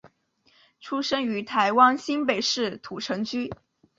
出生于台湾新北市土城区。